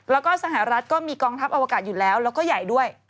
แล้วก็สหรัฐก็มีกองทัพอวกาศอยู่แล้วแล้วก็ใหญ่ด้วย